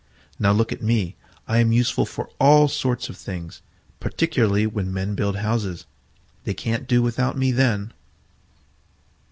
Now, look at me: I am useful for all sorts of things, particularly when men build houses; they can't do without me then."